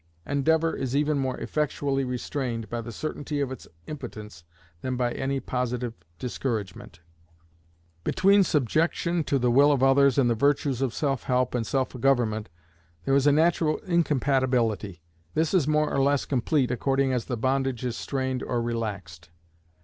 Endeavour is even more effectually restrained by the certainty of its impotence than by any positive discouragement. Between subjection to the will of others and the virtues of self help and self government there is a natural incompatibility. This is more or less complete according as the bondage is strained or relaxed.